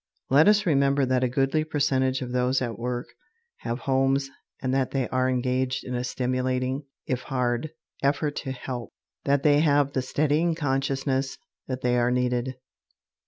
Let us remember that a goodly percentage of those at work have homes and that they are engaged in a stimulating, if hard, effort to "help," that they have the steadying consciousness that they are needed.